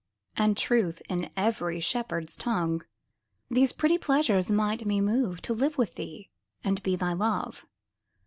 And truth in every shepherd's tongue, These pretty pleasures might me move To live with thee and be thy love.